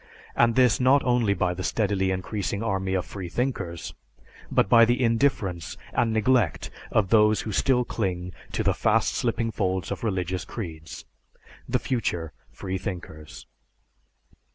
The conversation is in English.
And this not only by the steadily increasing army of freethinkers, but by the indifference and neglect of those who still cling to the fast slipping folds of religious creeds the future freethinkers.